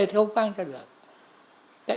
thì không mang trả lời